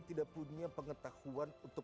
tidak punya pengetahuan untuk